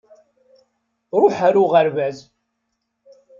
Ṛuḥ ar uɣerbaz!